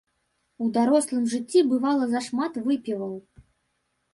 У дарослым жыцці бывала зашмат выпіваў.